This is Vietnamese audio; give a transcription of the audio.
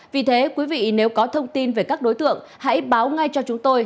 vì thế quý vị nếu có thông tin về các đối tượng hãy báo ngay cho chúng tôi